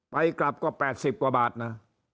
ไปกลับก็๘๐กว่าบาทนะ